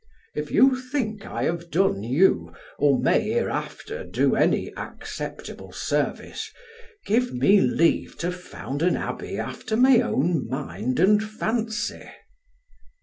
If you think I have done you, or may hereafter do any acceptable service, give me leave to found an abbey after my own mind and fancy.